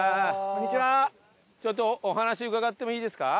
ちょっとお話伺ってもいいですか？